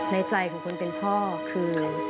ในใจของคนเป็นพ่อคือ